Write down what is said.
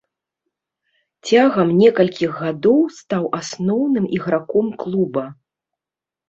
Цягам некалькіх гадоў стаў асноўным іграком клуба.